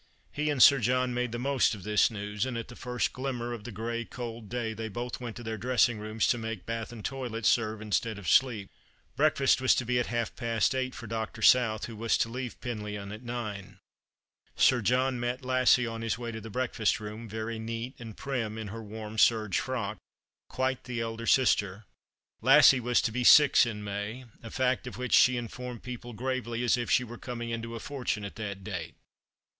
He and Sir John made the most of this news, and at the first glimmer of the grey cold day they both went to their dressing rooms to make bath and toilet serve instead of sleep. Breakfast was to be at half past eight for Dr. South, "DANBY, YOr HAD NO EIGHT TO DO THIS THKG. The Christmas Hirelings. 231 who was to leave Penlyou at nine. Sir John met Lassie on his way to the breakfast room, very neat and prim in her warm serge frock, quite the ekler sister. Lassie was to he six in May, a fact of which she informed people gravely, as if she were coming into a fortune at that date.